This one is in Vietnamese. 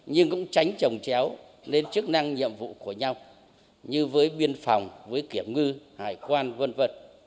nhưng cũng tránh trồng chéo lên chức năng nhiệm vụ của nhau như với biên phòng với kiểm ngư hải quan v v